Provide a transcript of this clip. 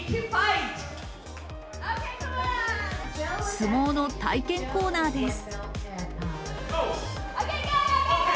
相撲の体験コーナーです。